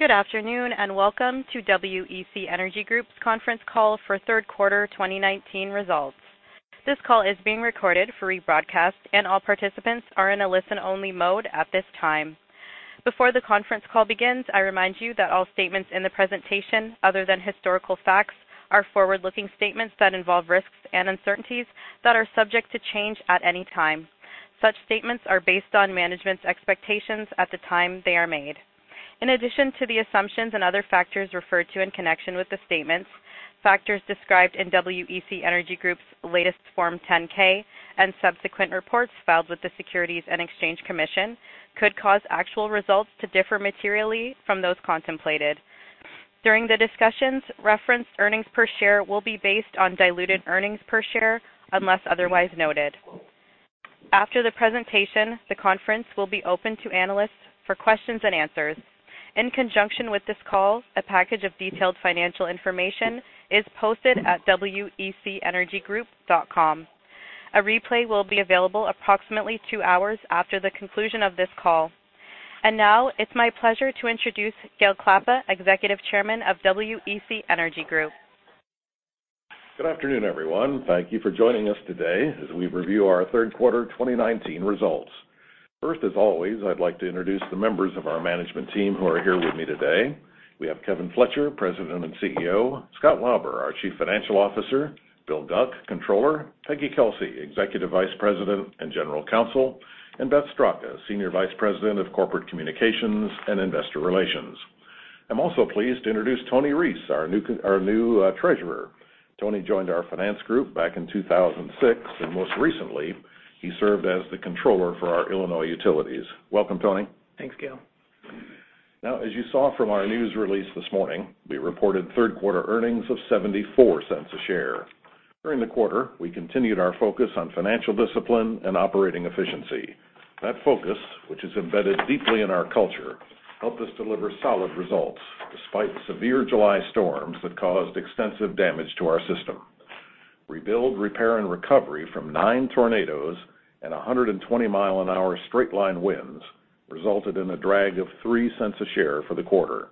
Good afternoon, and welcome to WEC Energy Group's conference call for third quarter 2019 results. This call is being recorded for rebroadcast, and all participants are in a listen-only mode at this time. Before the conference call begins, I remind you that all statements in the presentation, other than historical facts, are forward-looking statements that involve risks and uncertainties that are subject to change at any time. Such statements are based on management's expectations at the time they are made. In addition to the assumptions and other factors referred to in connection with the statements, factors described in WEC Energy Group's latest Form 10-K and subsequent reports filed with the Securities and Exchange Commission could cause actual results to differ materially from those contemplated. During the discussions, referenced earnings per share will be based on diluted earnings per share unless otherwise noted. After the presentation, the conference will be open to analysts for questions and answers. In conjunction with this call, a package of detailed financial information is posted at wecenergygroup.com. A replay will be available approximately two hours after the conclusion of this call. Now it's my pleasure to introduce Gale Klappa, Executive Chairman of WEC Energy Group. Good afternoon, everyone. Thank you for joining us today as we review our third quarter 2019 results. First, as always, I'd like to introduce the members of our management team who are here with me today. We have Kevin Fletcher, President and CEO, Scott Lauber, our Chief Financial Officer, Bill Guc, Controller, Peggy Kelsey, Executive Vice President and General Counsel, and Beth Straka, Senior Vice President of Corporate Communications and Investor Relations. I'm also pleased to introduce Tony Reese, our new Treasurer. Tony joined our finance group back in 2006. Most recently, he served as the Controller for our Illinois utilities. Welcome, Tony. Thanks, Gale. As you saw from our news release this morning, we reported third-quarter earnings of $0.74 a share. During the quarter, we continued our focus on financial discipline and operating efficiency. That focus, which is embedded deeply in our culture, helped us deliver solid results despite severe July storms that caused extensive damage to our system. Rebuild, repair, and recovery from nine tornadoes and 120 mile-an-hour straight line winds resulted in a drag of $0.03 a share for the quarter.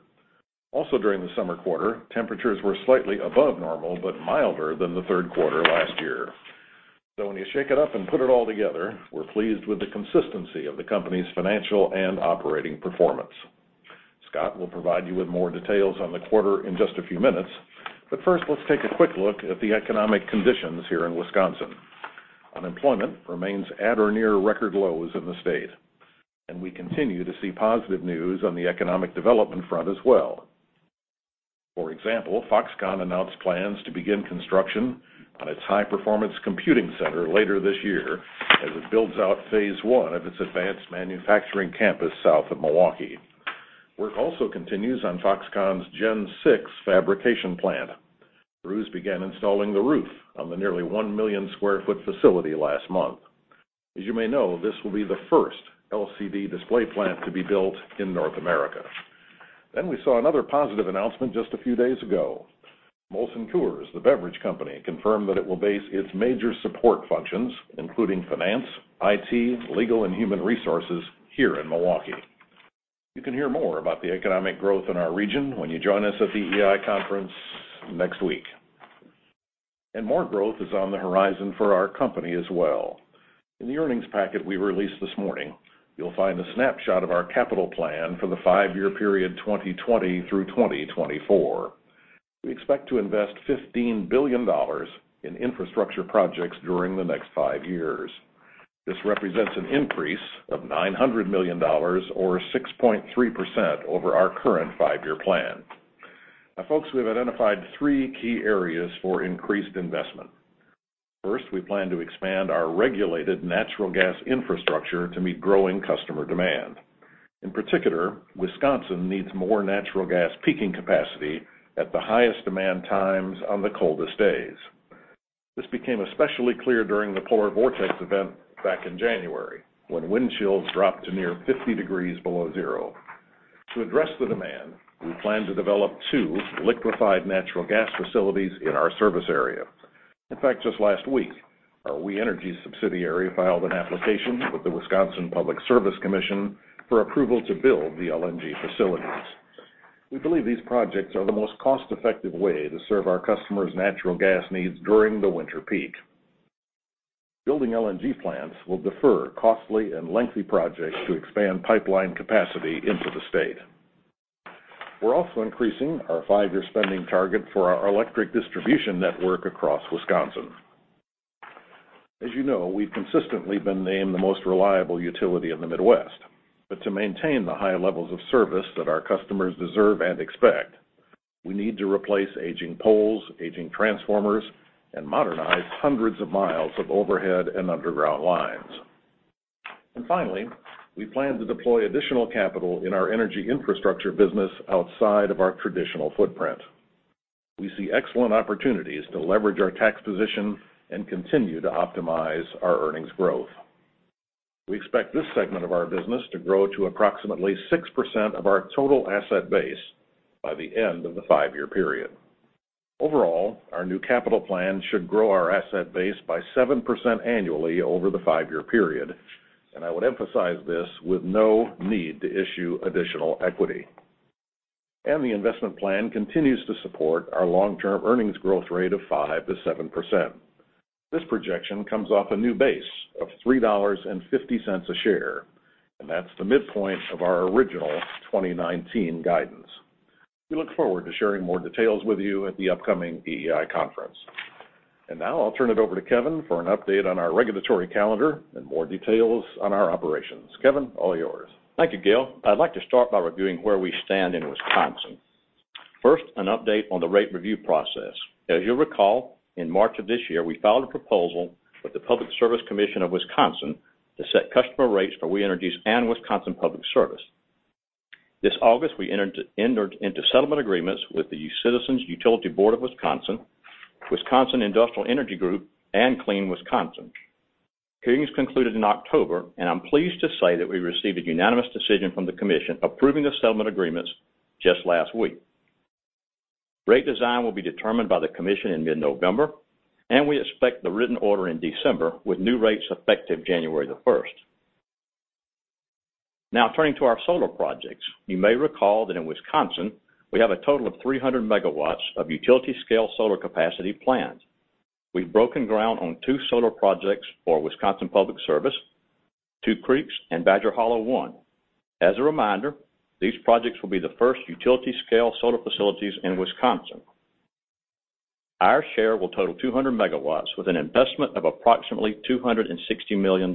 During the summer quarter, temperatures were slightly above normal but milder than the third quarter last year. When you shake it up and put it all together, we're pleased with the consistency of the company's financial and operating performance. Scott will provide you with more details on the quarter in just a few minutes, but first, let's take a quick look at the economic conditions here in Wisconsin. Unemployment remains at or near record lows in the state, and we continue to see positive news on the economic development front as well. For example, Foxconn announced plans to begin construction on its high-performance computing center later this year as it builds out phase 1 of its advanced manufacturing campus south of Milwaukee. Work also continues on Foxconn's Gen 6 fabrication plant. Crews began installing the roof on the nearly 1 million square foot facility last month. As you may know, this will be the first LCD display plant to be built in North America. We saw another positive announcement just a few days ago. Molson Coors, the beverage company, confirmed that it will base its major support functions, including finance, IT, legal, and human resources, here in Milwaukee. You can hear more about the economic growth in our region when you join us at the EEI conference next week. More growth is on the horizon for our company as well. In the earnings packet we released this morning, you'll find a snapshot of our capital plan for the five-year period, 2020 through 2024. We expect to invest $15 billion in infrastructure projects during the next five years. This represents an increase of $900 million or 6.3% over our current five-year plan. Folks, we've identified three key areas for increased investment. First, we plan to expand our regulated natural gas infrastructure to meet growing customer demand. In particular, Wisconsin needs more natural gas peaking capacity at the highest demand times on the coldest days. This became especially clear during the polar vortex event back in January, when wind chills dropped to near 50 degrees below zero. To address the demand, we plan to develop two liquefied natural gas facilities in our service area. In fact, just last week, our We Energies subsidiary filed an application with the Public Service Commission of Wisconsin for approval to build the LNG facilities. We believe these projects are the most cost-effective way to serve our customers' natural gas needs during the winter peak. Building LNG plants will defer costly and lengthy projects to expand pipeline capacity into the state. We're also increasing our five-year spending target for our electric distribution network across Wisconsin. As you know, we've consistently been named the most reliable utility in the Midwest. To maintain the high levels of service that our customers deserve and expect, we need to replace aging poles, aging transformers, and modernize hundreds of miles of overhead and underground lines. Finally, we plan to deploy additional capital in our energy infrastructure business outside of our traditional footprint. We see excellent opportunities to leverage our tax position and continue to optimize our earnings growth. We expect this segment of our business to grow to approximately 6% of our total asset base by the end of the five-year period. Overall, our new capital plan should grow our asset base by 7% annually over the five-year period, and I would emphasize this with no need to issue additional equity. The investment plan continues to support our long-term earnings growth rate of 5% to 7%. This projection comes off a new base of $3.50 a share. That's the midpoint of our original 2019 guidance. We look forward to sharing more details with you at the upcoming EEI conference. Now I'll turn it over to Kevin for an update on our regulatory calendar and more details on our operations. Kevin, all yours. Thank you, Gale. I'd like to start by reviewing where we stand in Wisconsin. First, an update on the rate review process. As you'll recall, in March of this year, we filed a proposal with the Public Service Commission of Wisconsin to set customer rates for We Energies and Wisconsin Public Service. This August, we entered into settlement agreements with the Citizens Utility Board of Wisconsin Industrial Energy Group, and Clean Wisconsin. Hearings concluded in October, and I'm pleased to say that we received a unanimous decision from the commission approving the settlement agreements just last week. Rate design will be determined by the commission in mid-November, and we expect the written order in December, with new rates effective January the 1st. Turning to our solar projects. You may recall that in Wisconsin, we have a total of 300 MW of utility-scale solar capacity planned. We've broken ground on two solar projects for Wisconsin Public Service, Two Creeks and Badger Hollow 1. As a reminder, these projects will be the first utility-scale solar facilities in Wisconsin. Our share will total 200 megawatts with an investment of approximately $260 million.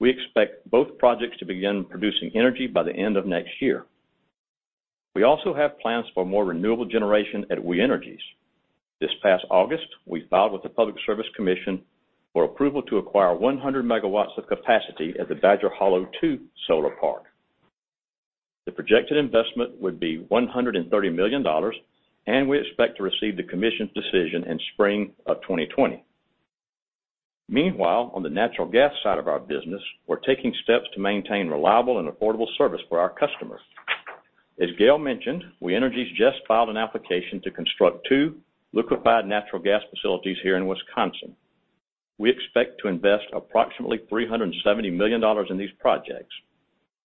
We expect both projects to begin producing energy by the end of next year. We also have plans for more renewable generation at We Energies. This past August, we filed with the Public Service Commission for approval to acquire 100 megawatts of capacity at the Badger Hollow 2 solar park. The projected investment would be $130 million, and we expect to receive the commission's decision in spring of 2020. Meanwhile, on the natural gas side of our business, we're taking steps to maintain reliable and affordable service for our customers. As Gale mentioned, We Energies just filed an application to construct two liquefied natural gas facilities here in Wisconsin. We expect to invest approximately $370 million in these projects.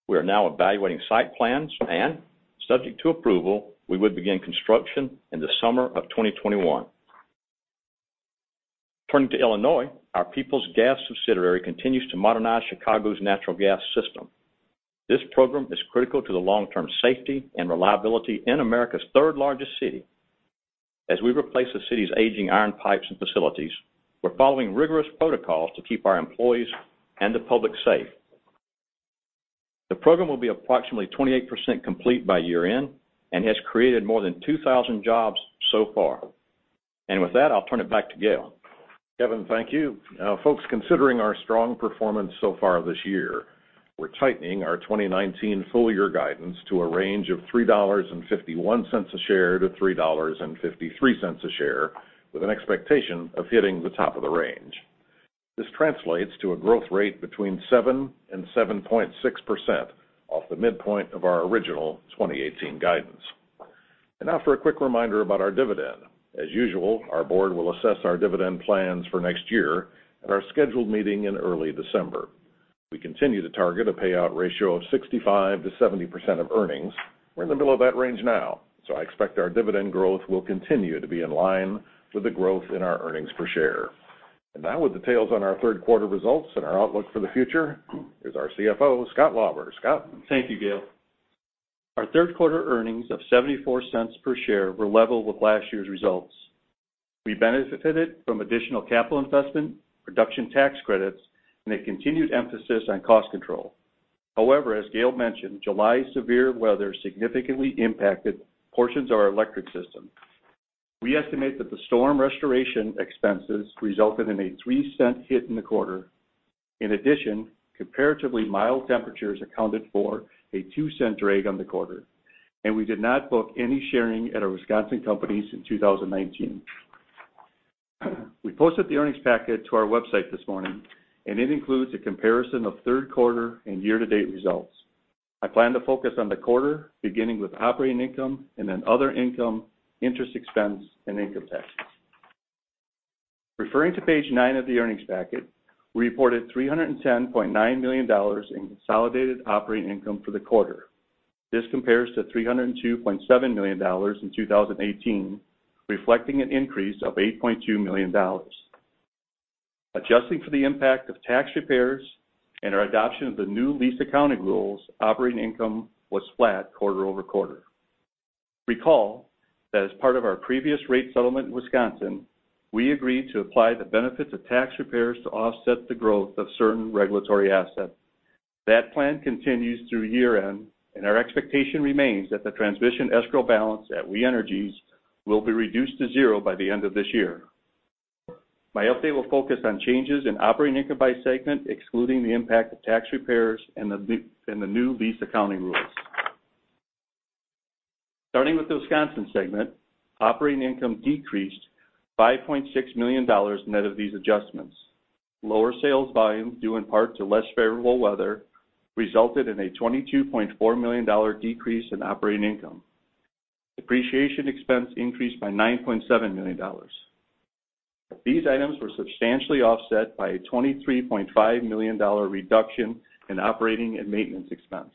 We are now evaluating site plans and, subject to approval, we would begin construction in the summer of 2021. Turning to Illinois, our Peoples Gas subsidiary continues to modernize Chicago's natural gas system. This program is critical to the long-term safety and reliability in America's third-largest city. As we replace the city's aging iron pipes and facilities, we're following rigorous protocols to keep our employees and the public safe. The program will be approximately 28% complete by year-end and has created more than 2,000 jobs so far. With that, I'll turn it back to Gale. Kevin, thank you. Now, folks, considering our strong performance so far this year, we're tightening our 2019 full-year guidance to a range of $3.51 a share to $3.53 a share, with an expectation of hitting the top of the range. This translates to a growth rate between 7% and 7.6% off the midpoint of our original 2018 guidance. Now for a quick reminder about our dividend. As usual, our board will assess our dividend plans for next year at our scheduled meeting in early December. We continue to target a payout ratio of 65%-70% of earnings. We're in the middle of that range now, so I expect our dividend growth will continue to be in line with the growth in our earnings per share. Now with details on our third quarter results and our outlook for the future is our CFO, Scott Lauber. Scott? Thank you, Gale. Our third quarter earnings of $0.74 per share were level with last year's results. We benefited from additional capital investment, production tax credits, and a continued emphasis on cost control. As Gale mentioned, July's severe weather significantly impacted portions of our electric system. We estimate that the storm restoration expenses resulted in a $0.03 hit in the quarter. Comparatively mild temperatures accounted for a $0.02 drag on the quarter, and we did not book any sharing at our Wisconsin companies in 2019. We posted the earnings packet to our website this morning, and it includes a comparison of third quarter and year-to-date results. I plan to focus on the quarter, beginning with operating income and then other income, interest expense, and income taxes. Referring to page nine of the earnings packet, we reported $310.9 million in consolidated operating income for the quarter. This compares to $302.7 million in 2018, reflecting an increase of $8.2 million. Adjusting for the impact of tax repairs and our adoption of the new lease accounting rules, operating income was flat quarter-over-quarter. Recall that as part of our previous rate settlement in Wisconsin, we agreed to apply the benefits of tax repairs to offset the growth of certain regulatory assets. That plan continues through year-end, and our expectation remains that the transmission escrow balance at We Energies will be reduced to zero by the end of this year. My update will focus on changes in operating income by segment, excluding the impact of tax repairs and the new lease accounting rules. Starting with the Wisconsin segment, operating income decreased $5.6 million net of these adjustments. Lower sales volumes, due in part to less favorable weather, resulted in a $22.4 million decrease in operating income. Depreciation expense increased by $9.7 million. These items were substantially offset by a $23.5 million reduction in operating and maintenance expense.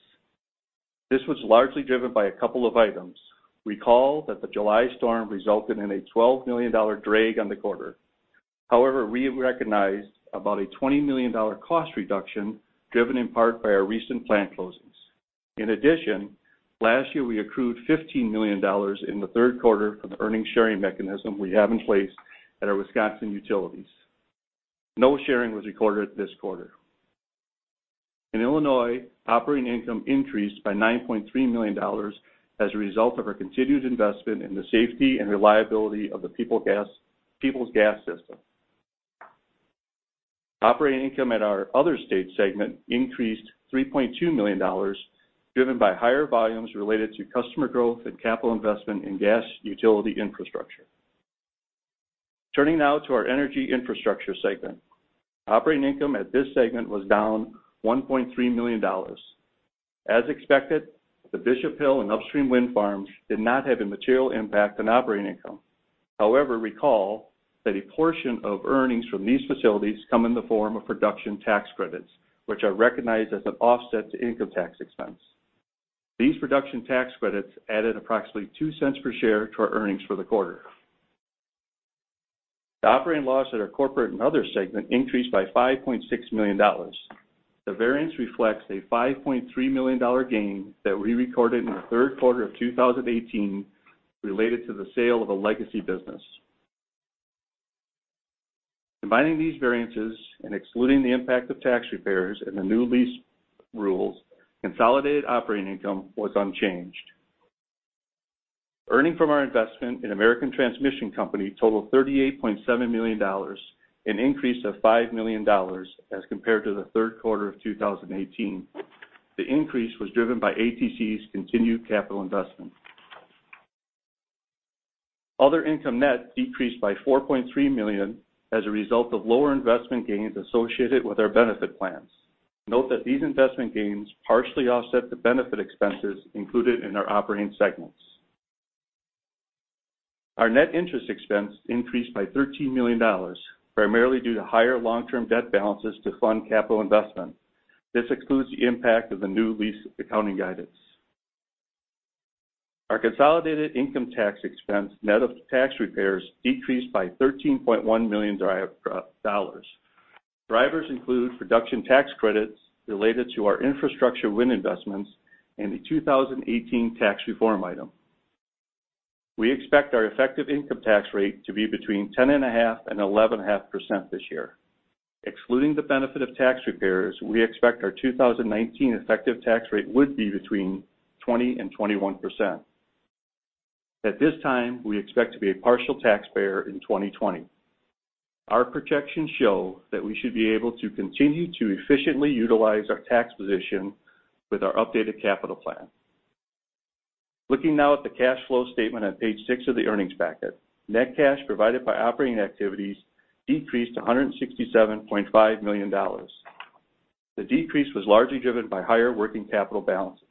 This was largely driven by a couple of items. Recall that the July storm resulted in a $12 million drag on the quarter. However, we recognized about a $20 million cost reduction, driven in part by our recent plant closings. In addition, last year, we accrued $15 million in the third quarter for the earnings-sharing mechanism we have in place at our Wisconsin utilities. No sharing was recorded this quarter. In Illinois, operating income increased by $9.3 million as a result of our continued investment in the safety and reliability of the Peoples Gas system. Operating income at our other state segment increased $3.2 million, driven by higher volumes related to customer growth and capital investment in gas utility infrastructure. Turning now to our energy infrastructure segment. Operating income at this segment was down $1.3 million. As expected, the Bishop Hill and upstream wind farms did not have a material impact on operating income. Recall that a portion of earnings from these facilities come in the form of production tax credits, which are recognized as an offset to income tax expense. These production tax credits added approximately $0.02 per share to our earnings for the quarter. The operating loss at our corporate and other segment increased by $5.6 million. The variance reflects a $5.3 million gain that we recorded in the third quarter of 2018 related to the sale of a legacy business. Combining these variances and excluding the impact of tax repairs and the new lease rules, consolidated operating income was unchanged. Earning from our investment in American Transmission Company totaled $38.7 million, an increase of $5 million as compared to the third quarter of 2018. The increase was driven by ATC's continued capital investment. Other income net decreased by $4.3 million as a result of lower investment gains associated with our benefit plans. Note that these investment gains partially offset the benefit expenses included in our operating segments. Our net interest expense increased by $13 million, primarily due to higher long-term debt balances to fund capital investment. This excludes the impact of the new lease accounting guidance. Our consolidated income tax expense, net of tax repairs, decreased by $13.1 million. Drivers include production tax credits related to our infrastructure wind investments and the 2018 tax reform item. We expect our effective income tax rate to be between 10.5% and 11.5% this year. Excluding the benefit of tax repairs, we expect our 2019 effective tax rate would be between 20% and 21%. At this time, we expect to be a partial taxpayer in 2020. Our projections show that we should be able to continue to efficiently utilize our tax position with our updated capital plan. Looking now at the cash flow statement on page six of the earnings packet. Net cash provided by operating activities decreased to $167.5 million. The decrease was largely driven by higher working capital balances.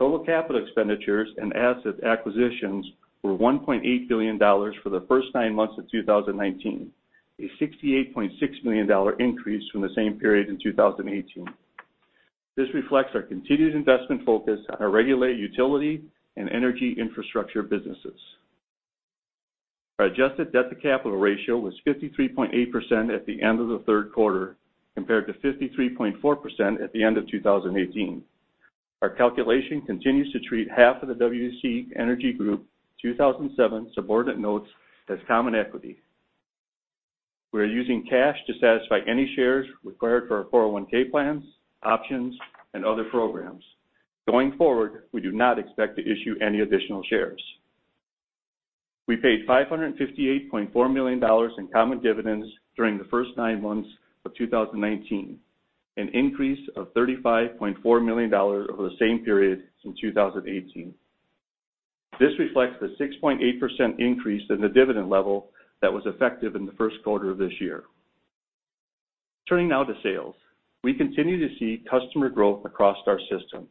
Total capital expenditures and asset acquisitions were $1.8 billion for the first nine months of 2019, a $68.6 million increase from the same period in 2018. This reflects our continued investment focus on our regulated utility and energy infrastructure businesses. Our adjusted debt-to-capital ratio was 53.8% at the end of the third quarter, compared to 53.4% at the end of 2018. Our calculation continues to treat half of the WEC Energy Group 2007 subordinated notes as common equity. We are using cash to satisfy any shares required for our 401 plans, options, and other programs. Going forward, we do not expect to issue any additional shares. We paid $558.4 million in common dividends during the first nine months of 2019, an increase of $35.4 million over the same period since 2018. This reflects the 6.8% increase in the dividend level that was effective in the first quarter of this year. Turning now to sales. We continue to see customer growth across our system.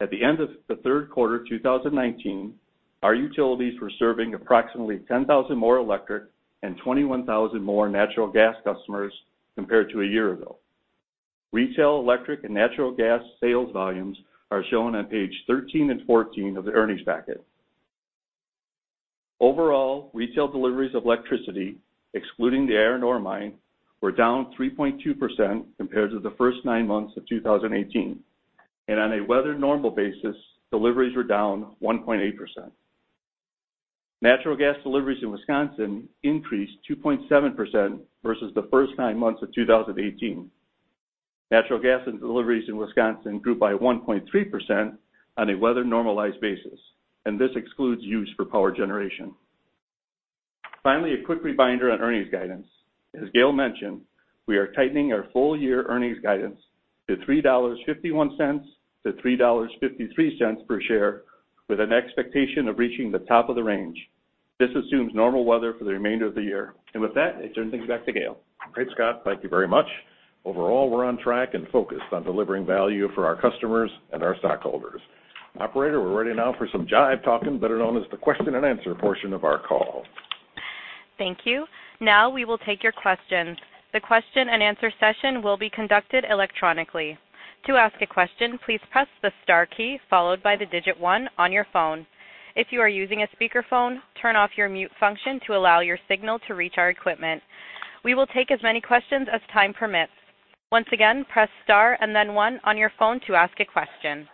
At the end of the third quarter 2019, our utilities were serving approximately 10,000 more electric and 21,000 more natural gas customers compared to a year ago. Retail electric and natural gas sales volumes are shown on page 13 and 14 of the earnings packet. Overall, retail deliveries of electricity, excluding the Iron Ore Mine, were down 3.2% compared to the first nine months of 2018, and on a weather normal basis, deliveries were down 1.8%. Natural gas deliveries in Wisconsin increased 2.7% versus the first nine months of 2018. Natural gas deliveries in Wisconsin grew by 1.3% on a weather-normalized basis, and this excludes use for power generation. Finally, a quick reminder on earnings guidance. As Gale mentioned, we are tightening our full-year earnings guidance To $3.51-$3.53 per share with an expectation of reaching the top of the range. This assumes normal weather for the remainder of the year. With that, I turn things back to Gale. Great, Scott. Thank you very much. Overall, we're on track and focused on delivering value for our customers and our stockholders. Operator, we're ready now for some jive talking, better known as the question and answer portion of our call. Thank you. Now we will take your questions. The question and answer session will be conducted electronically. To ask a question, please press the star key followed by the digit 1 on your phone. If you are using a speakerphone, turn off your mute function to allow your signal to reach our equipment. We will take as many questions as time permits. Once again, press star and then one on your phone to ask a question.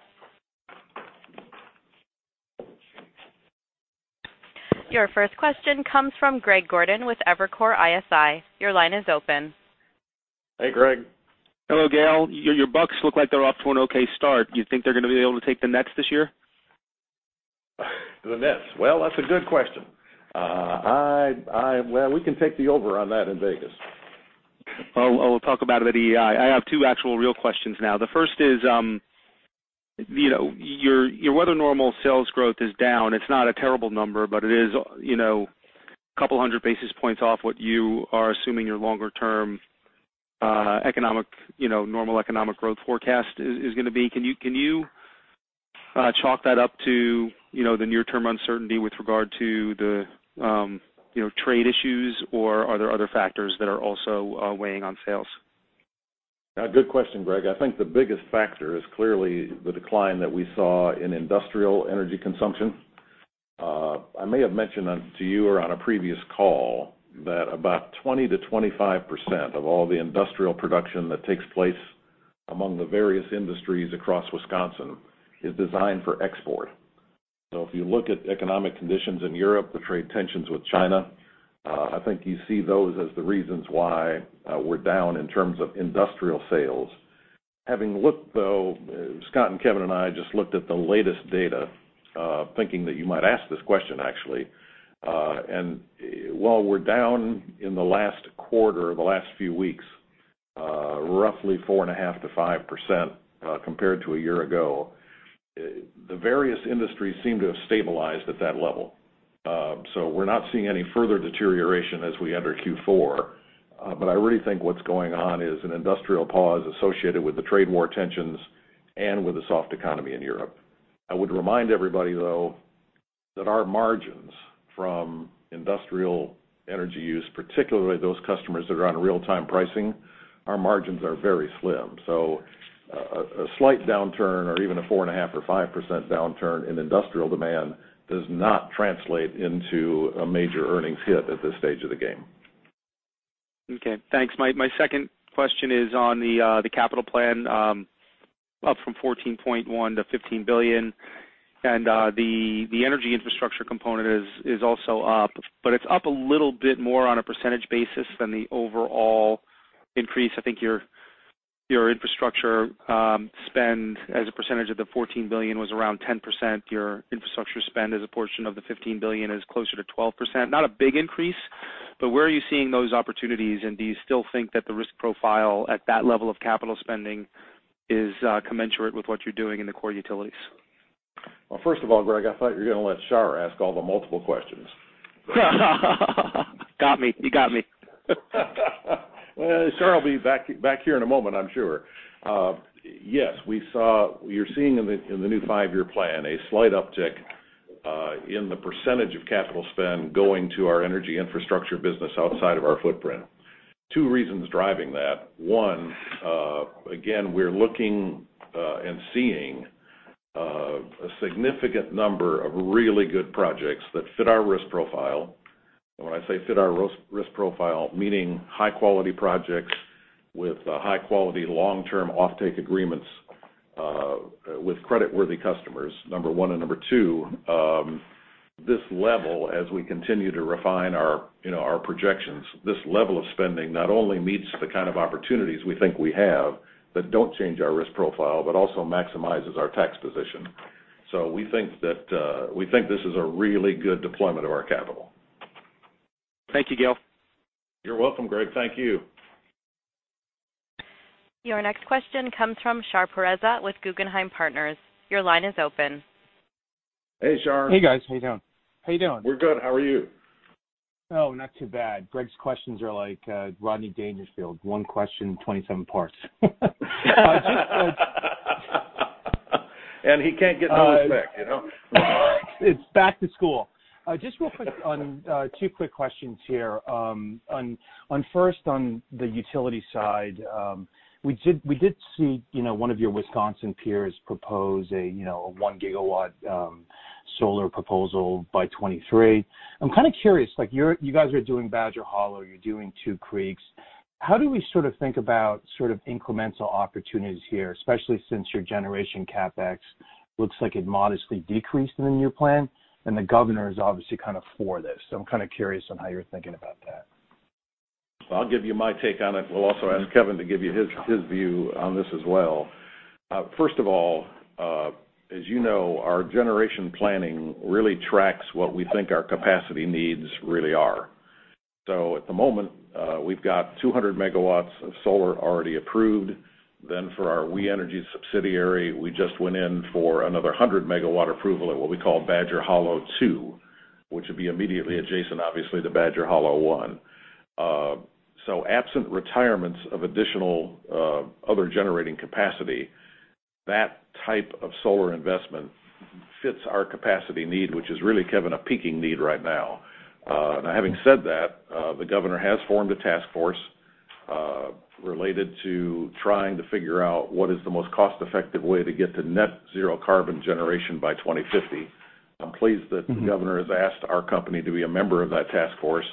Your first question comes from Greg Gordon with Evercore ISI. Your line is open. Hey, Greg. Hello, Gale. Your Bucks look like they're off to an okay start. Do you think they're going to be able to take the Nets this year? The Nets? Well, that's a good question. Well, we can take the over on that in Vegas. Well, we'll talk about it at EEI. I have two actual real questions now. The first is, your weather normal sales growth is down. It's not a terrible number, but it is a couple of hundred basis points off what you are assuming your longer-term normal economic growth forecast is going to be. Can you chalk that up to the near-term uncertainty with regard to the trade issues, or are there other factors that are also weighing on sales? A good question, Greg. I think the biggest factor is clearly the decline that we saw in industrial energy consumption. I may have mentioned to you or on a previous call that about 20%-25% of all the industrial production that takes place among the various industries across Wisconsin is designed for export. If you look at economic conditions in Europe, the trade tensions with China, I think you see those as the reasons why we're down in terms of industrial sales. Having looked, though, Scott and Kevin and I just looked at the latest data, thinking that you might ask this question, actually. While we're down in the last quarter, the last few weeks, roughly 4.5%-5% compared to a year ago, the various industries seem to have stabilized at that level. We're not seeing any further deterioration as we enter Q4. I really think what's going on is an industrial pause associated with the trade war tensions and with the soft economy in Europe. I would remind everybody, though, that our margins from industrial energy use, particularly those customers that are on real-time pricing, our margins are very slim. A slight downturn or even a 4.5% or 5% downturn in industrial demand does not translate into a major earnings hit at this stage of the game. Okay, thanks. My second question is on the capital plan, up from 14.1 to $15 billion, and the energy infrastructure component is also up, but it's up a little bit more on a percentage basis than the overall increase. I think your infrastructure spend as a percentage of the $14 billion was around 10%. Your infrastructure spend as a portion of the $15 billion is closer to 12%. Not a big increase, but where are you seeing those opportunities, and do you still think that the risk profile at that level of capital spending is commensurate with what you're doing in the core utilities? Well, first of all, Greg, I thought you were going to let Shar ask all the multiple questions. Got me. You got me. Well, Shar will be back here in a moment, I'm sure. Yes, you're seeing in the new five-year plan a slight uptick in the percentage of capital spend going to our energy infrastructure business outside of our footprint. Two reasons driving that. One, again, we're looking and seeing a significant number of really good projects that fit our risk profile. When I say fit our risk profile, meaning high-quality projects with high-quality long-term offtake agreements with creditworthy customers, number one. Number two, this level, as we continue to refine our projections, this level of spending not only meets the kind of opportunities we think we have that don't change our risk profile, but also maximizes our tax position. We think this is a really good deployment of our capital. Thank you, Gale. You're welcome, Greg. Thank you. Your next question comes from Shar Pourreza with Guggenheim Partners. Your line is open. Hey, Shar. Hey, guys. How you doing? We're good. How are you? Not too bad. Greg's questions are like Rodney Dangerfield, one question, 27 parts. He can't get no respect, you know? It's back to school. Just real quick on two quick questions here. First, on the utility side, we did see one of your Wisconsin peers propose a one gigawatt solar proposal by 2023. I'm kind of curious, you guys are doing Badger Hollow, you're doing Two Creeks. How do we sort of think about incremental opportunities here, especially since your generation CapEx looks like it modestly decreased in the new plan? The governor is obviously kind of for this, so I'm kind of curious on how you're thinking about that. I'll give you my take on it. We'll also ask Kevin to give you his view on this as well. As you know, our generation planning really tracks what we think our capacity needs really are. At the moment, we've got 200 MW of solar already approved. For our We Energies subsidiary, we just went in for another 100 MW approval at what we call Badger Hollow II, which would be immediately adjacent, obviously, to Badger Hollow I. Absent retirements of additional other generating capacity, that type of solar investment fits our capacity need, which is really, Kevin, a peaking need right now. Having said that, the governor has formed a task force related to trying to figure out what is the most cost-effective way to get to net zero carbon generation by 2050. I'm pleased that the governor has asked our company to be a member of that task force.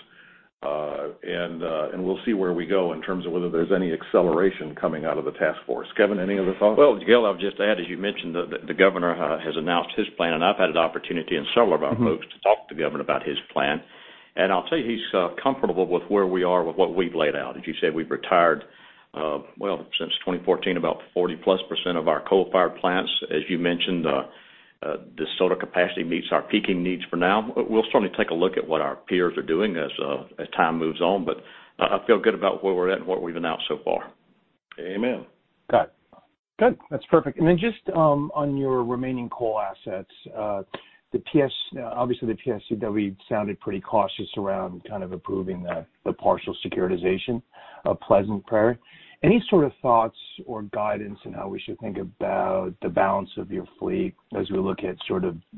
We'll see where we go in terms of whether there's any acceleration coming out of the task force. Kevin, any other thoughts? Well, Gale, I'll just add, as you mentioned, the governor has announced his plan, and I've had an opportunity in several of our. folks to talk to the governor about his plan. I'll tell you, he's comfortable with where we are with what we've laid out. As you said, we've retired, well, since 2014, about 40+% of our coal-fired plants. As you mentioned, the solar capacity meets our peaking needs for now. We'll certainly take a look at what our peers are doing as time moves on. I feel good about where we're at and what we've announced so far. Amen. Got it. Good. That's perfect. Just on your remaining coal assets, obviously the PSCW sounded pretty cautious around approving the partial securitization of Pleasant Prairie. Any sort of thoughts or guidance on how we should think about the balance of your fleet as we look at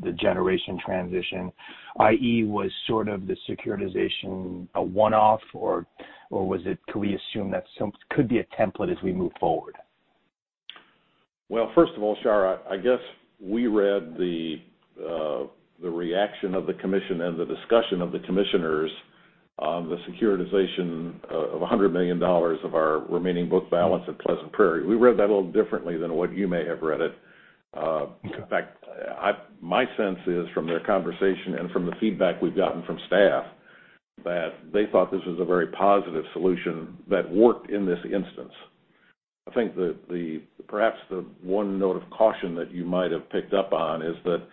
the generation transition, i.e., was the securitization a one-off, or can we assume that could be a template as we move forward? First of all, Shar, I guess we read the reaction of the commission and the discussion of the commissioners on the securitization of $100 million of our remaining book balance at Pleasant Prairie. We read that a little differently than what you may have read it. Okay. In fact, my sense is from their conversation and from the feedback we've gotten from staff, that they thought this was a very positive solution that worked in this instance. I think perhaps the one note of caution that you might have picked up on is that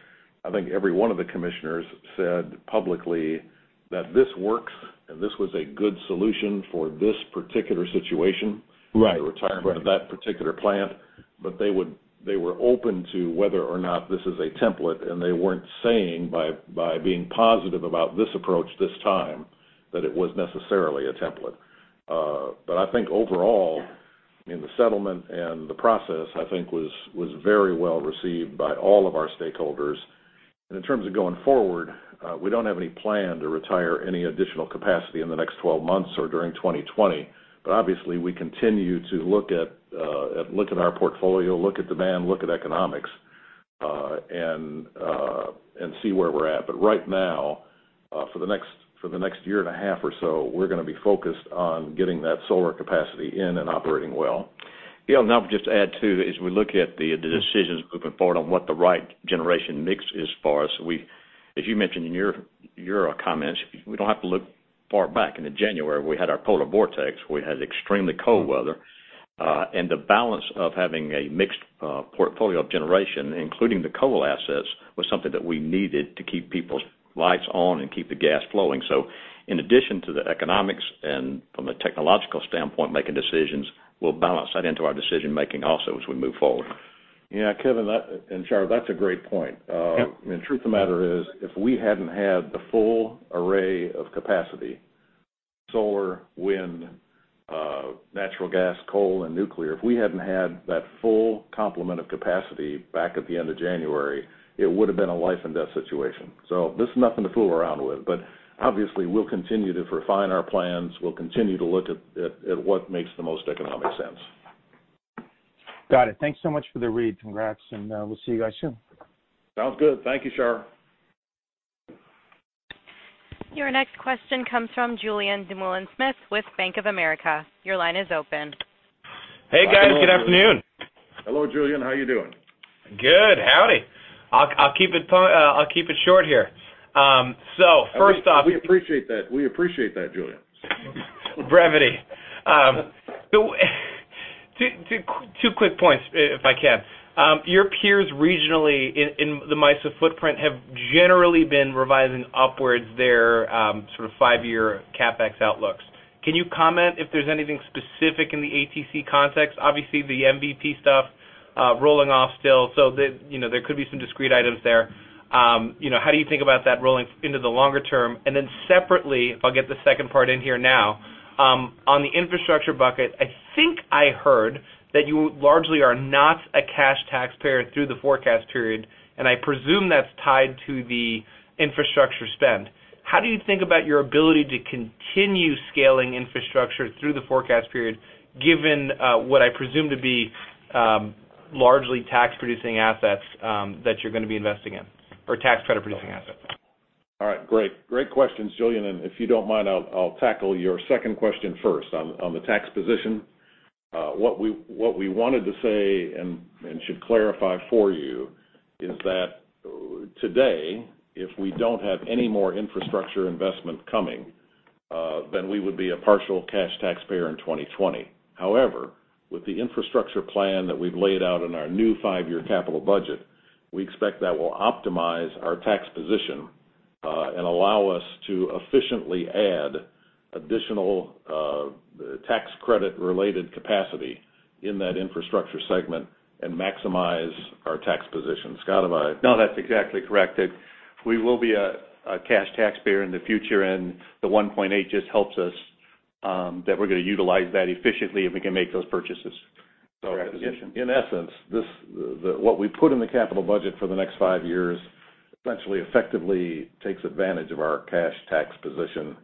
I think every one of the commissioners said publicly that this works, and this was a good solution for this particular situation. Right the retirement of that particular plant. They were open to whether or not this is a template, and they weren't saying by being positive about this approach this time, that it was necessarily a template. I think overall, the settlement and the process, I think, was very well-received by all of our stakeholders. In terms of going forward, we don't have any plan to retire any additional capacity in the next 12 months or during 2020. Obviously, we continue to look at our portfolio, look at demand, look at economics, and see where we're at. Right now, for the next year and a half or so, we're going to be focused on getting that solar capacity in and operating well. Gale, I'll just add, too, as we look at the decisions moving forward on what the right generation mix is for us, as you mentioned in your comments, we don't have to look far back. In January, we had our polar vortex. We had extremely cold weather. The balance of having a mixed portfolio of generation, including the coal assets, was something that we needed to keep people's lights on and keep the gas flowing. In addition to the economics and from a technological standpoint, making decisions, we'll balance that into our decision-making also as we move forward. Yeah, Kevin and Shar, that's a great point. Yep. The truth of the matter is, if we hadn't had the full array of capacity, solar, wind, natural gas, coal, and nuclear, if we hadn't had that full complement of capacity back at the end of January, it would've been a life-and-death situation. This is nothing to fool around with. Obviously, we'll continue to refine our plans. We'll continue to look at what makes the most economic sense. Got it. Thanks so much for the read. Congrats, and we'll see you guys soon. Sounds good. Thank you, Shar. Your next question comes from Julien Dumoulin-Smith with Bank of America. Your line is open. Hey, guys. Good afternoon. Hello, Julien. How are you doing? Good. Howdy. I'll keep it short here. We appreciate that. We appreciate that, Julien. Brevity. Two quick points, if I can. Your peers regionally in the MISO footprint have generally been revising upwards their five-year CapEx outlooks. Can you comment if there's anything specific in the ATC context? Obviously, the MVP stuff rolling off still, so there could be some discrete items there. How do you think about that rolling into the longer term? Separately, if I'll get the second part in here now, on the infrastructure bucket, I think I heard that you largely are not a cash taxpayer through the forecast period, and I presume that's tied to the infrastructure spend. How do you think about your ability to continue scaling infrastructure through the forecast period, given what I presume to be largely tax-producing assets that you're going to be investing in, or tax-credit-producing assets? All right. Great. Great questions, Julien, and if you don't mind, I'll tackle your second question first on the tax position. What we wanted to say, and should clarify for you, is that today, if we don't have any more infrastructure investment coming, then we would be a partial cash taxpayer in 2020. However, with the infrastructure plan that we've laid out in our new five-year capital budget, we expect that will optimize our tax position, and allow us to efficiently add additional tax credit related capacity in that infrastructure segment and maximize our tax position. Scott, No, that's exactly correct. That we will be a cash taxpayer in the future, the $1.8 just helps us, that we're going to utilize that efficiently if we can make those purchases. In essence, what we put in the capital budget for the next five years essentially effectively takes advantage of our cash tax position,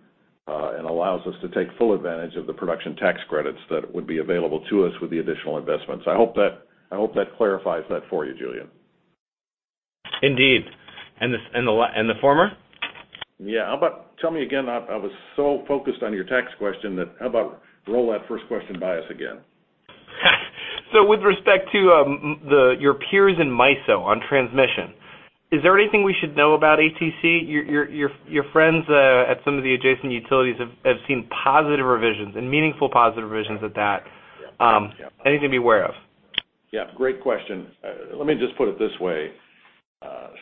and allows us to take full advantage of the production tax credits that would be available to us with the additional investments. I hope that clarifies that for you, Julien. Indeed. The former? Yeah. How about tell me again, I was so focused on your tax question that how about roll that first question by us again? With respect to your peers in MISO on transmission, is there anything we should know about ATC? Your friends at some of the adjacent utilities have seen positive revisions, and meaningful positive revisions at that. Anything to be aware of? Yeah, great question. Let me just put it this way.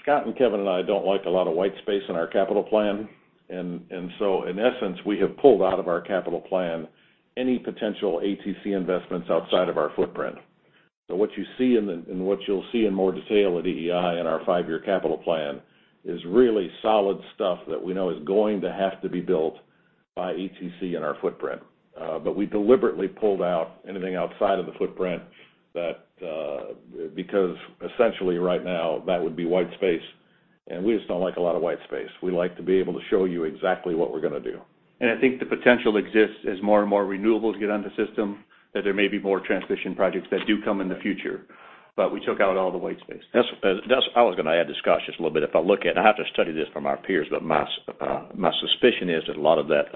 Scott and Kevin and I don't like a lot of white space in our capital plan. In essence, we have pulled out of our capital plan any potential ATC investments outside of our footprint. What you'll see in more detail at EEI in our five-year capital plan is really solid stuff that we know is going to have to be built by ATC in our footprint. We deliberately pulled out anything outside of the footprint because essentially right now that would be white space, and we just don't like a lot of white space. We like to be able to show you exactly what we're going to do. I think the potential exists as more and more renewables get on the system, that there may be more transmission projects that do come in the future. We took out all the white space. That's what I was going to add to Scott, just a little bit. If I look at, and I have to study this from our peers, my suspicion is that a lot of that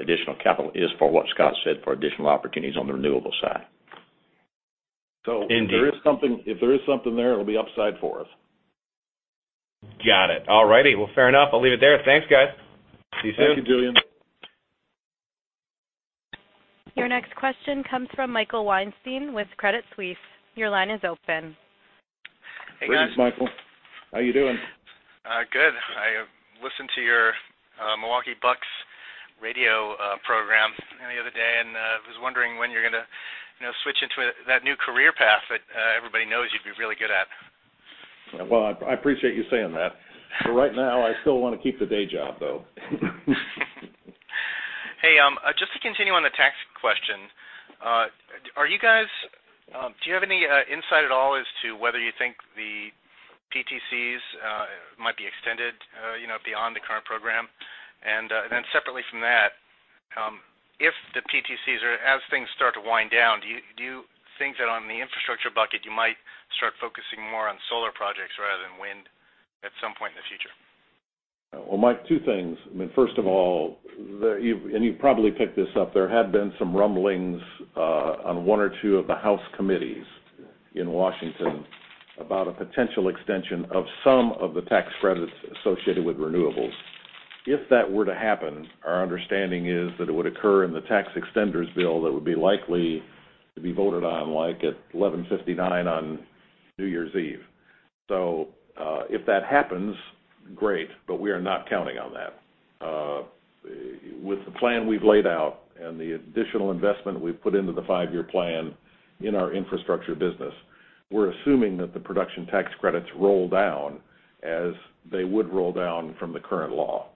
additional capital is for what Scott said, for additional opportunities on the renewable side. Indeed. If there is something there, it'll be upside for us. Got it. All right. Well, fair enough. I'll leave it there. Thanks, guys. See you soon. Thank you, Julien. Your next question comes from Michael Weinstein with Credit Suisse. Your line is open. Hey, guys. Greetings, Michael. How you doing? Good. I listened to your Milwaukee Bucks radio program the other day, and I was wondering when you're going to switch into that new career path that everybody knows you'd be really good at? Well, I appreciate you saying that. Right now I still want to keep the day job, though. Hey, just to continue on the tax question. Do you have any insight at all as to whether you think the PTCs might be extended beyond the current program? Separately from that, if the PTCs are, as things start to wind down, do you think that on the infrastructure bucket, you might start focusing more on solar projects rather than wind at some point in the future? Well, Mike, two things. First of all, you probably picked this up, there had been some rumblings on one or two of the House committees in Washington about a potential extension of some of the tax credits associated with renewables. If that were to happen, our understanding is that it would occur in the Tax Extenders Bill that would be likely to be voted on like at 11:59 on New Year's Eve. If that happens, great, we are not counting on that. With the plan we've laid out and the additional investment we've put into the five-year plan in our infrastructure business, we're assuming that the production tax credits roll down as they would roll down from the current law.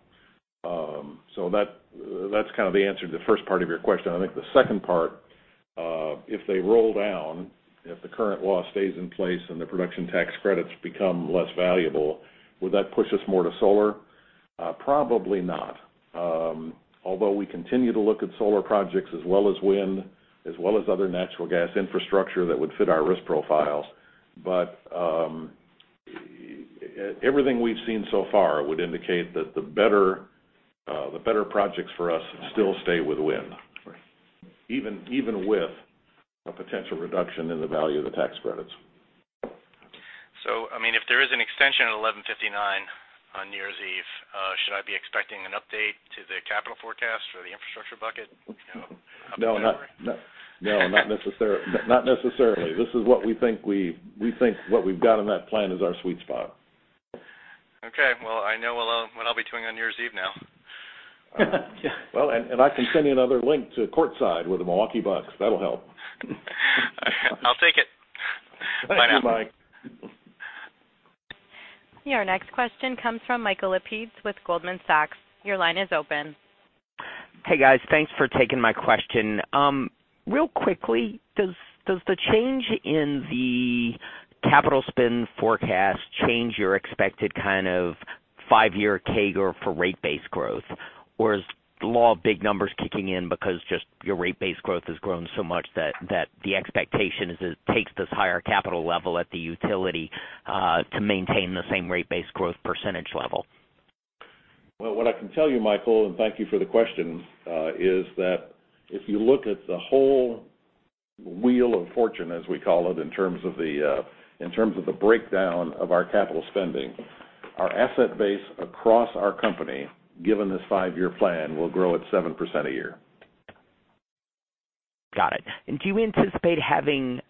That's kind of the answer to the first part of your question. I think the second part, if they roll down, if the current law stays in place and the production tax credits become less valuable, would that push us more to solar? Probably not. Although we continue to look at solar projects as well as wind, as well as other natural gas infrastructure that would fit our risk profile. Everything we've seen so far would indicate that the better projects for us still stay with wind. Right. Even with a potential reduction in the value of the tax credits. If there is an extension at 11:59 on New Year's Eve, should I be expecting an update to the capital forecast or the infrastructure bucket? No, not necessarily. This is what we think we've got in that plan is our sweet spot. Okay. Well, I know what I'll be doing on New Year's Eve now. Yeah. Well, I can send you another link to courtside with the Milwaukee Bucks. That'll help. I'll take it. Bye now. Thank you, Mike. Your next question comes from Michael Lapides with Goldman Sachs. Your line is open. Hey, guys. Thanks for taking my question. Real quickly, does the change in the capital spend forecast change your expected kind of five-year CAGR for rate base growth, or is the law of big numbers kicking in because just your rate base growth has grown so much that the expectation is it takes this higher capital level at the utility to maintain the same rate base growth percentage level? Well, what I can tell you, Michael, and thank you for the question, is that if you look at the whole wheel of fortune, as we call it, in terms of the breakdown of our capital spending, our asset base across our company, given this five-year plan, will grow at 7% a year. Got it. Do you anticipate having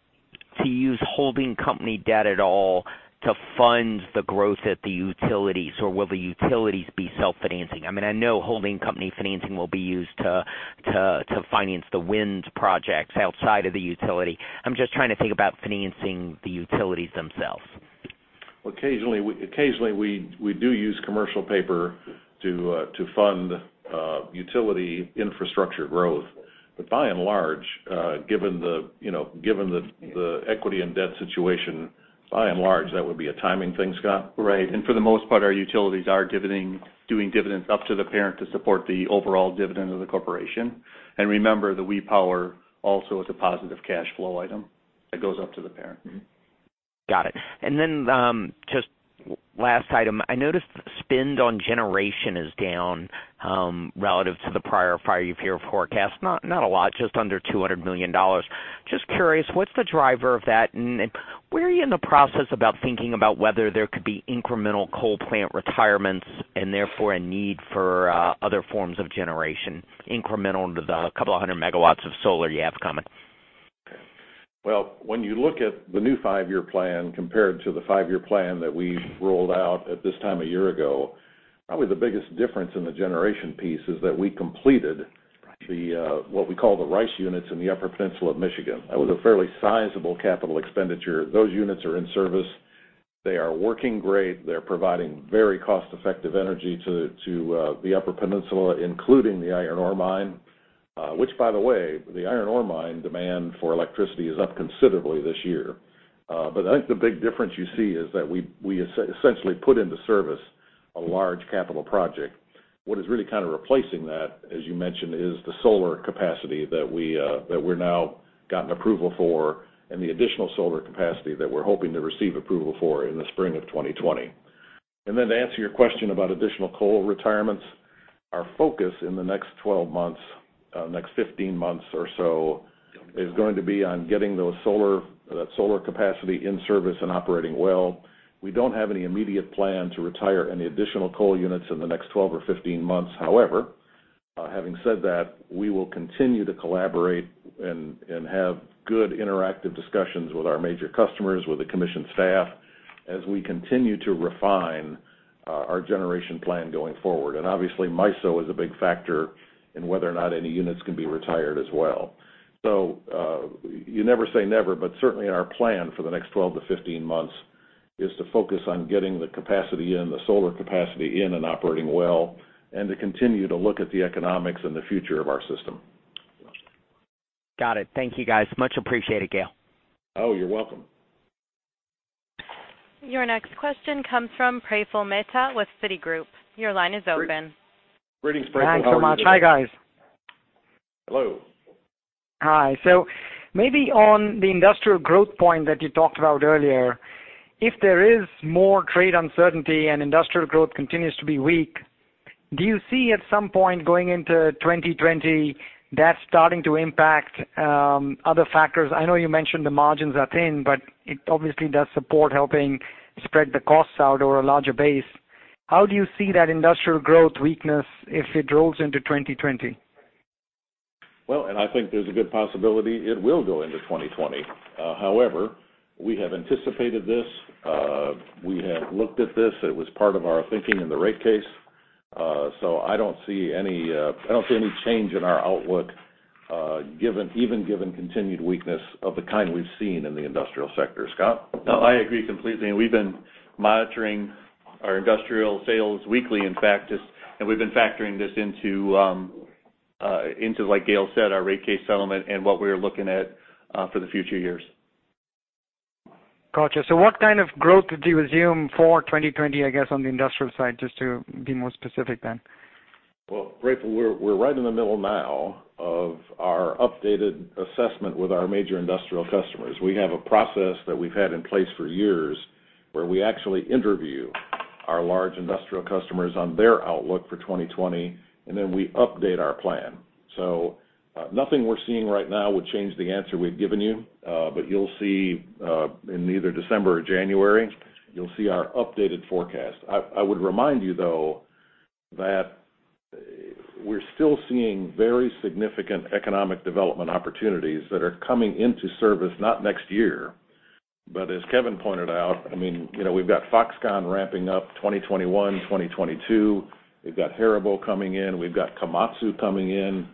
to use holding company debt at all to fund the growth at the utilities, or will the utilities be self-financing? I know holding company financing will be used to finance the wind projects outside of the utility. I'm just trying to think about financing the utilities themselves. Occasionally, we do use commercial paper to fund utility infrastructure growth. By and large, given the equity and debt situation, by and large, that would be a timing thing, Scott. Right. For the most part, our utilities are doing dividends up to the parent to support the overall dividend of the corporation. Remember that W.E. Power also is a positive cash flow item that goes up to the parent. Got it. Just last item, I noticed spend on generation is down relative to the prior five-year forecast. Not a lot, just under $200 million. Just curious, what's the driver of that, and where are you in the process about thinking about whether there could be incremental coal plant retirements and therefore a need for other forms of generation incremental to the couple of hundred megawatts of solar you have coming? When you look at the new five-year plan compared to the five-year plan that we rolled out at this time a year ago, probably the biggest difference in the generation piece is that we completed what we call the RICE units in the Upper Peninsula of Michigan. That was a fairly sizable capital expenditure. Those units are in service. They are working great. They're providing very cost-effective energy to the Upper Peninsula, including the iron ore mine, which by the way, the iron ore mine demand for electricity is up considerably this year. I think the big difference you see is that we essentially put into service a large capital project. What is really kind of replacing that, as you mentioned, is the solar capacity that we're now gotten approval for and the additional solar capacity that we're hoping to receive approval for in the spring of 2020. To answer your question about additional coal retirements, our focus in the next 12 months, next 15 months or so, is going to be on getting that solar capacity in service and operating well. We don't have any immediate plan to retire any additional coal units in the next 12 or 15 months. Having said that, we will continue to collaborate and have good interactive discussions with our major customers, with the commission staff, as we continue to refine our generation plan going forward. Obviously, MISO is a big factor in whether or not any units can be retired as well. You never say never, but certainly our plan for the next 12 to 15 months is to focus on getting the capacity in, the solar capacity in and operating well, and to continue to look at the economics and the future of our system. Got it. Thank you, guys. Much appreciated, Gale. Oh, you're welcome. Your next question comes from Praful Mehta with Citigroup. Your line is open. Greetings, Praful. How are you today? Thanks so much. Hi, guys. Hello. Hi. Maybe on the industrial growth point that you talked about earlier, if there is more trade uncertainty and industrial growth continues to be weak, do you see at some point going into 2020, that starting to impact other factors? I know you mentioned the margins are thin, but it obviously does support helping spread the costs out over a larger base. How do you see that industrial growth weakness if it rolls into 2020? I think there's a good possibility it will go into 2020. However, we have anticipated this. We have looked at this. It was part of our thinking in the rate case. I don't see any change in our outlook, even given continued weakness of the kind we've seen in the industrial sector. Scott? No, I agree completely, and we've been monitoring our industrial sales weekly, in fact, and we've been factoring this into, like Gale said, our rate case settlement and what we are looking at for the future years. Got you. What kind of growth did you assume for 2020, I guess, on the industrial side, just to be more specific then? Well, Praful, we're right in the middle now of our updated assessment with our major industrial customers. We have a process that we've had in place for years where we actually interview our large industrial customers on their outlook for 2020, and then we update our plan. Nothing we're seeing right now would change the answer we've given you. You'll see, in either December or January, you'll see our updated forecast. I would remind you, though, that we're still seeing very significant economic development opportunities that are coming into service, not next year, but as Kevin pointed out, we've got Foxconn ramping up 2021, 2022. We've got HARIBO coming in. We've got Komatsu coming in.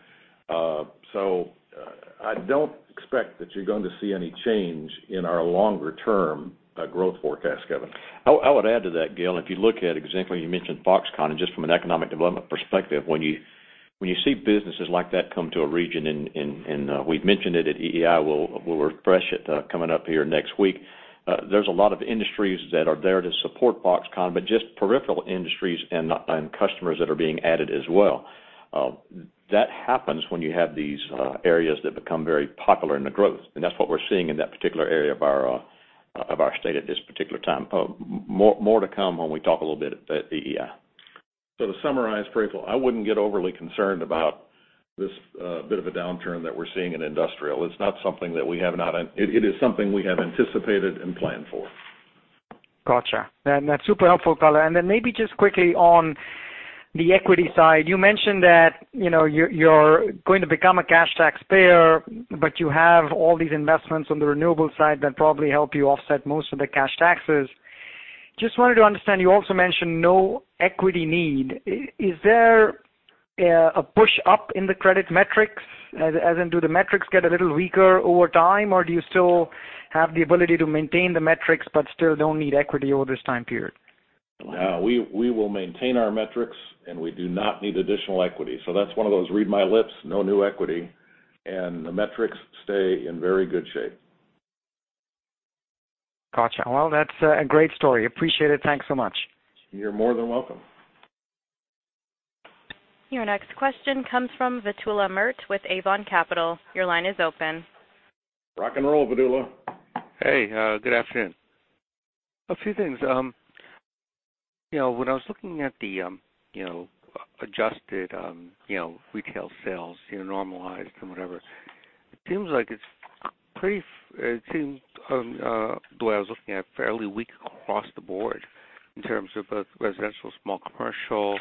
I don't expect that you're going to see any change in our longer-term growth forecast, Kevin. I would add to that, Gale, if you look at, exactly you mentioned Foxconn, and just from an economic development perspective, when you see businesses like that come to a region, and we've mentioned it at EEI, we'll refresh it coming up here next week. There's a lot of industries that are there to support Foxconn, but just peripheral industries and customers that are being added as well. That happens when you have these areas that become very popular in the growth, and that's what we're seeing in that particular area of our state at this particular time. More to come when we talk a little bit at EEI. To summarize, Praful, I wouldn't get overly concerned about this bit of a downturn that we're seeing in industrial. It is something we have anticipated and planned for. Gotcha. That's super helpful, Colin. Maybe just quickly on the equity side, you mentioned that you're going to become a cash taxpayer, but you have all these investments on the renewable side that probably help you offset most of the cash taxes. Just wanted to understand, you also mentioned no equity need. Is there a push up in the credit metrics, as in do the metrics get a little weaker over time, or do you still have the ability to maintain the metrics but still don't need equity over this time period? No, we will maintain our metrics, and we do not need additional equity. That's one of those read my lips, no new equity, and the metrics stay in very good shape. Gotcha. Well, that's a great story. Appreciate it. Thanks so much. You're more than welcome. Your next question comes from Vedula Murti with Avon Capital. Your line is open. Rock and roll, Vedula. Hey, good afternoon. A few things. When I was looking at the adjusted retail sales, normalized and whatever, it seems like it's pretty, the way I was looking at it, fairly weak across the board in terms of both residential, small commercial,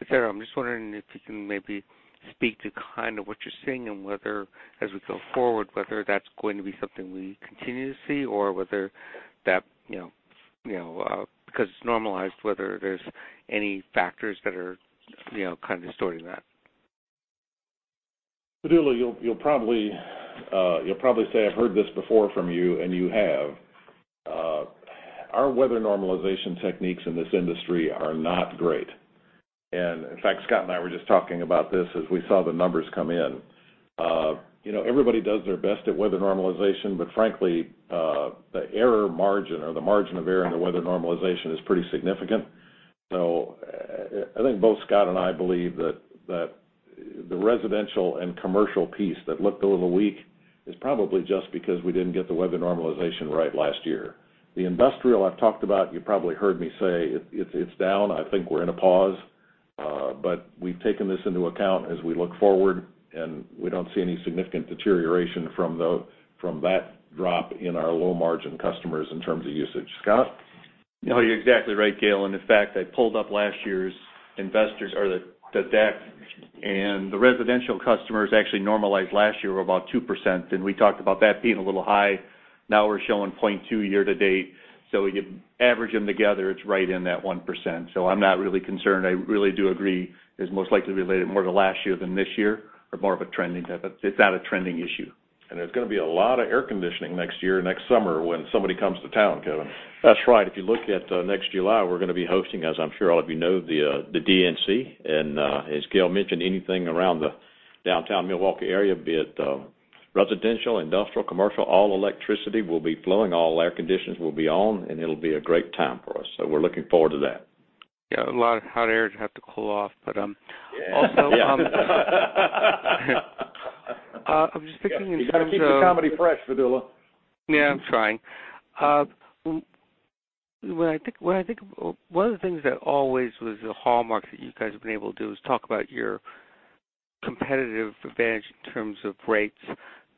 et cetera. I'm just wondering if you can maybe speak to kind of what you're seeing and whether as we go forward, whether that's going to be something we continue to see or whether that, because it's normalized, whether there's any factors that are kind of distorting that. Vedula, you'll probably say, I've heard this before from you, and you have. Our weather normalization techniques in this industry are not great. In fact, Scott and I were just talking about this as we saw the numbers come in. Everybody does their best at weather normalization, but frankly, the error margin or the margin of error in the weather normalization is pretty significant. I think both Scott and I believe that the residential and commercial piece that looked a little weak is probably just because we didn't get the weather normalization right last year. The industrial I've talked about, you probably heard me say, it's down. I think we're in a pause. We've taken this into account as we look forward, and we don't see any significant deterioration from that drop in our low-margin customers in terms of usage. Scott? You're exactly right, Gale. In fact, I pulled up last year's investors or the deck, and the residential customers actually normalized last year were about 2%, and we talked about that being a little high. Now we're showing 0.2 year to date. If you average them together, it's right in that 1%. I'm not really concerned. I really do agree it's most likely related more to last year than this year or more of a trending type. It's not a trending issue. There's going to be a lot of air conditioning next year, next summer when somebody comes to town, Kevin. That's right. If you look at next July, we're going to be hosting, as I'm sure all of you know, the DNC. As Gale mentioned, anything around the downtown Milwaukee area, be it residential, industrial, commercial, all electricity will be flowing, all air conditions will be on, and it'll be a great time for us. We're looking forward to that. Yeah, a lot of hot air to have to cool off. You got to keep the comedy fresh, Vedula. Yeah, I'm trying. One of the things that always was a hallmark that you guys have been able to do is talk about your competitive advantage in terms of rates,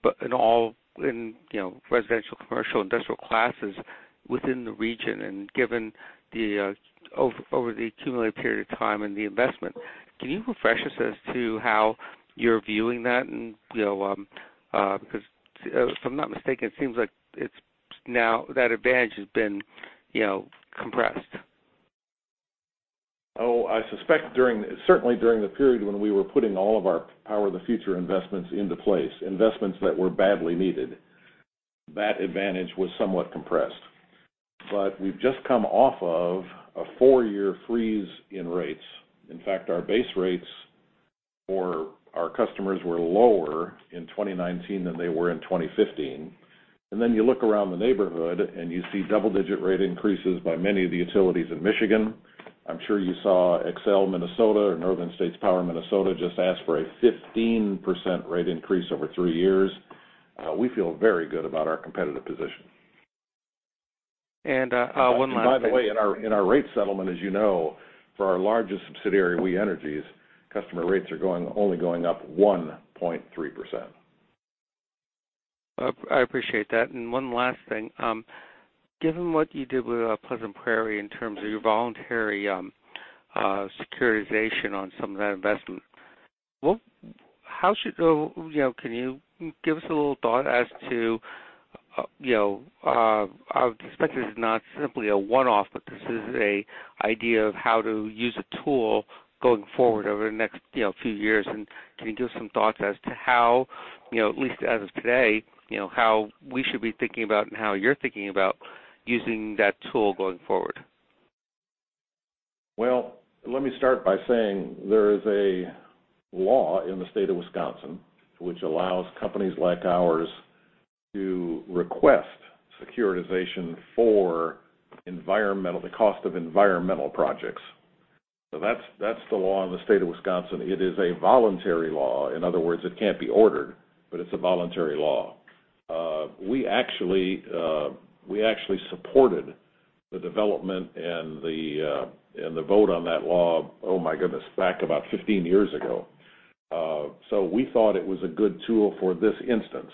but in all residential, commercial, industrial classes within the region. Given over the cumulative period of time and the investment, can you refresh us as to how you're viewing that? Because if I'm not mistaken, it seems like now that advantage has been compressed. Oh, I suspect certainly during the period when we were putting all of our Power the Future investments into place, investments that were badly needed, that advantage was somewhat compressed. We've just come off of a four-year freeze in rates. In fact, our base rates for our customers were lower in 2019 than they were in 2015. Then you look around the neighborhood and you see double-digit rate increases by many of the utilities in Michigan. I'm sure you saw Xcel Energy Minnesota or Northern States Power Minnesota just ask for a 15% rate increase over three years. We feel very good about our competitive position. One last. By the way, in our rate settlement, as you know, for our largest subsidiary, We Energies, customer rates are only going up 1.3%. I appreciate that. One last thing. Given what you did with Pleasant Prairie in terms of your voluntary securitization on some of that investment, can you give us a little thought as to, I would expect this is not simply a one-off, but this is an idea of how to use a tool going forward over the next few years. Can you give some thoughts as to how, at least as of today, how we should be thinking about and how you're thinking about using that tool going forward? Well, let me start by saying there is a law in the state of Wisconsin which allows companies like ours to request securitization for the cost of environmental projects. That's the law in the state of Wisconsin. It is a voluntary law. In other words, it can't be ordered, but it's a voluntary law. We actually supported the development and the vote on that law, oh my goodness, back about 15 years ago. We thought it was a good tool for this instance.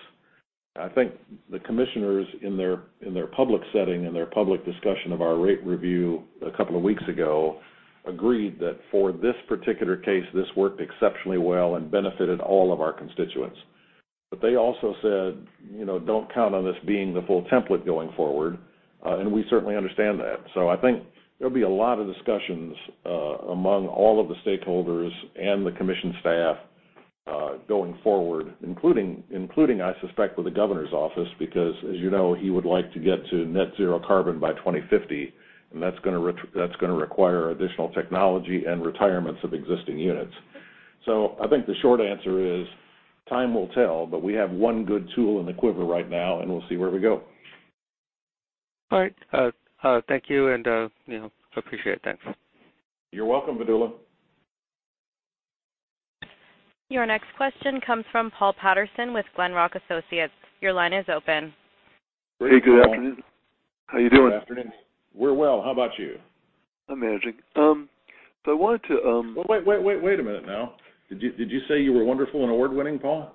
I think the commissioners in their public setting, in their public discussion of our rate review a couple of weeks ago, agreed that for this particular case, this worked exceptionally well and benefited all of our constituents. They also said, "Don't count on this being the full template going forward," and we certainly understand that. I think there'll be a lot of discussions among all of the stakeholders and the Commission staff going forward, including, I suspect, with the Governor's office, because, as you know, he would like to get to net zero carbon by 2050, and that's going to require additional technology and retirements of existing units. I think the short answer is time will tell, but we have one good tool in the quiver right now, and we'll see where we go. All right. Thank you, and appreciate it. Thanks. You're welcome, Vedula. Your next question comes from Paul Patterson with Glenrock Associates. Your line is open. Hey, good afternoon. How you doing? Good afternoon. We're well. How about you? I'm managing. Wait a minute now. Did you say you were wonderful and award-winning, Paul?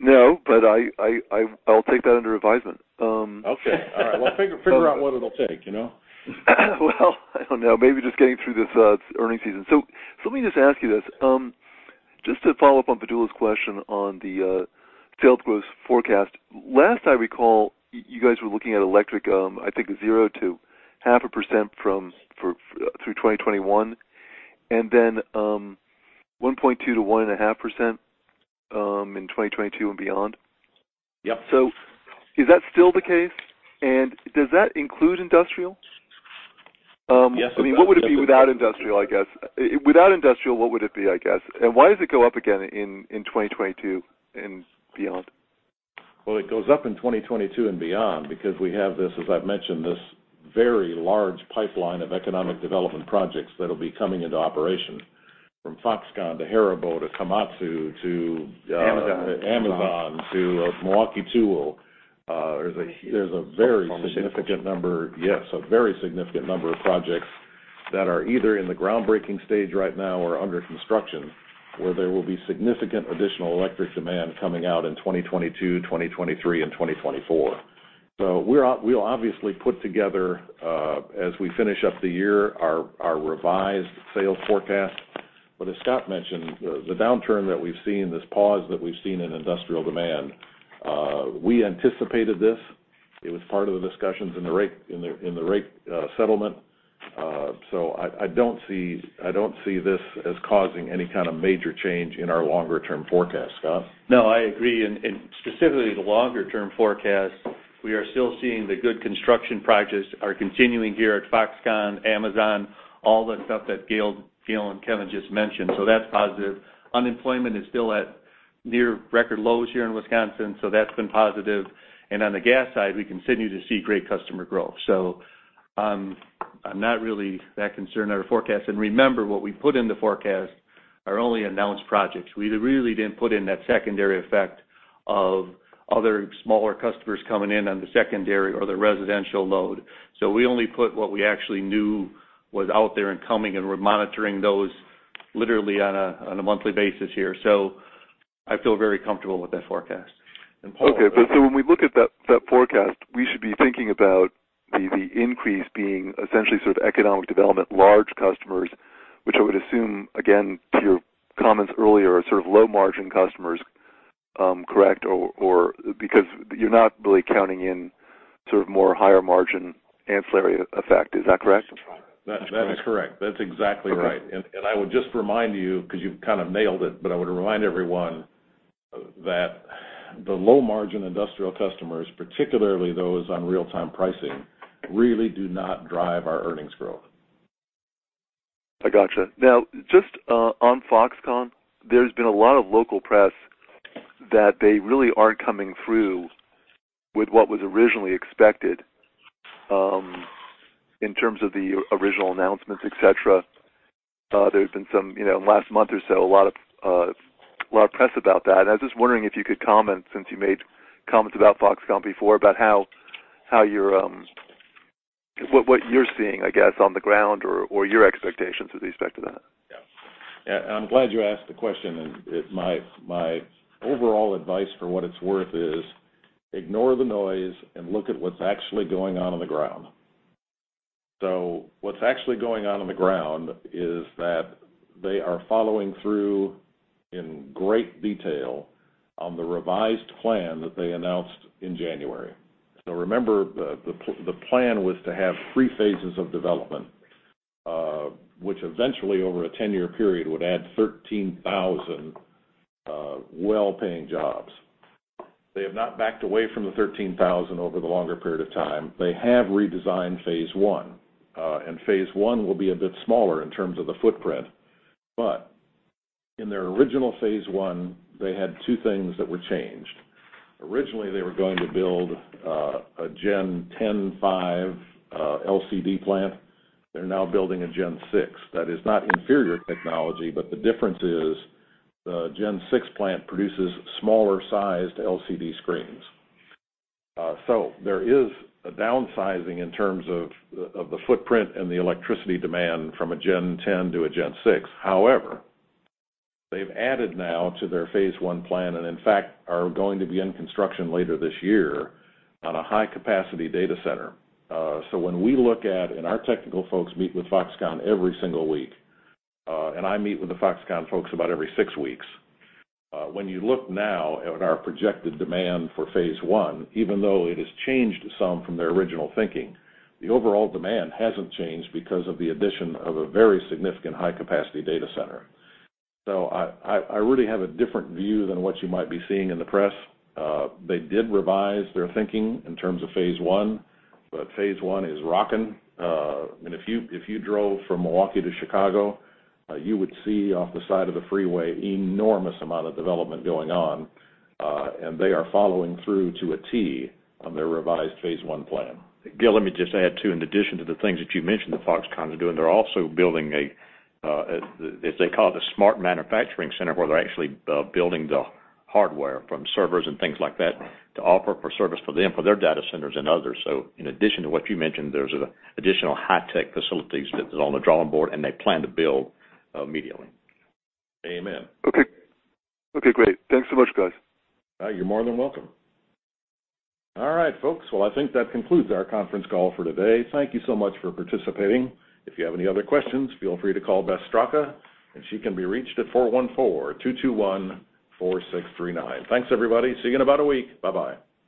No, but I'll take that under advisement. Okay. All right. Well, figure out what it'll take. Well, I don't know. Maybe just getting through this earning season. Let me just ask you this. Just to follow up on Vedula's question on the sales growth forecast. Last I recall, you guys were looking at electric, I think, zero to half a percent through 2021, and then 1.2%-1.5% in 2022 and beyond. Yep. Is that still the case? Does that include industrial? Yes. What would it be without industrial, I guess? Without industrial, what would it be, I guess? Why does it go up again in 2022 and beyond? Well, it goes up in 2022 and beyond because we have this, as I've mentioned, this very large pipeline of economic development projects that'll be coming into operation, from Foxconn to HARIBO to Komatsu. Amazon Amazon to Milwaukee Tool. There's a very significant number of projects that are either in the groundbreaking stage right now or under construction, where there will be significant additional electric demand coming out in 2022, 2023, and 2024. We'll obviously put together, as we finish up the year, our revised sales forecast. As Scott mentioned, the downturn that we've seen, this pause that we've seen in industrial demand, we anticipated this. It was part of the discussions in the rate settlement. I don't see this as causing any kind of major change in our longer-term forecast. Scott? No, I agree. Specifically the longer-term forecast, we are still seeing the good construction projects are continuing here at Foxconn, Amazon, all the stuff that Gale and Kevin just mentioned. That's positive. Unemployment is still at near record lows here in Wisconsin. That's been positive. On the gas side, we continue to see great customer growth. I'm not really that concerned at our forecast. Remember, what we put in the forecast are only announced projects. We really didn't put in that secondary effect of other smaller customers coming in on the secondary or the residential load. We only put what we actually knew was out there and coming, and we're monitoring those literally on a monthly basis here. I feel very comfortable with that forecast. Paul. When we look at that forecast, we should be thinking about the increase being essentially sort of economic development, large customers, which I would assume, again, to your comments earlier, are sort of low-margin customers. Correct? You're not really counting in sort of more higher-margin ancillary effect. Is that correct? That is correct. That's exactly right. Okay. I would just remind you, because you've kind of nailed it, but I would remind everyone that the low-margin industrial customers, particularly those on real-time pricing, really do not drive our earnings growth. I gotcha. Just on Foxconn, there's been a lot of local press that they really aren't coming through with what was originally expected, in terms of the original announcements, et cetera. There's been some, in the last month or so, a lot of press about that. I was just wondering if you could comment, since you made comments about Foxconn before, about what you're seeing, I guess, on the ground or your expectations with respect to that. Yeah. I'm glad you asked the question. My overall advice, for what it's worth is, ignore the noise and look at what's actually going on on the ground. What's actually going on on the ground is that they are following through in great detail on the revised plan that they announced in January. Remember, the plan was to have 3 phases of development, which eventually over a 10-year period would add 13,000 well-paying jobs. They have not backed away from the 13,000 over the longer period of time. They have redesigned phase 1, and phase 1 will be a bit smaller in terms of the footprint. In their original phase 1, they had two things that were changed. Originally, they were going to build a Gen 10.5 LCD plant. They're now building a Gen 6. That is not inferior technology, the difference is the Gen 6 plant produces smaller-sized LCD screens. There is a downsizing in terms of the footprint and the electricity demand from a Gen 10 to a Gen 6. However, they've added now to their phase one plan, and in fact, are going to be in construction later this year on a high-capacity data center. When we look at, and our technical folks meet with Foxconn every single week, and I meet with the Foxconn folks about every six weeks. When you look now at our projected demand for phase one, even though it has changed some from their original thinking, the overall demand hasn't changed because of the addition of a very significant high-capacity data center. I really have a different view than what you might be seeing in the press. They did revise their thinking in terms of phase one, but phase one is rocking. If you drove from Milwaukee to Chicago, you would see off the side of the freeway enormous amount of development going on, and they are following through to a T on their revised phase one plan. Gale, let me just add, too, in addition to the things that you mentioned that Foxconn's doing, they're also building a, they call it, a smart manufacturing center where they're actually building the hardware from servers and things like that to offer for service for them, for their data centers and others. In addition to what you mentioned, there's additional high-tech facilities that are on the drawing board, and they plan to build immediately. Amen. Okay. Great. Thanks so much, guys. You're more than welcome. All right, folks, well, I think that concludes our conference call for today. Thank you so much for participating. If you have any other questions, feel free to call Beth Straka, and she can be reached at 414-221-4639. Thanks, everybody. See you in about a week. Bye-bye.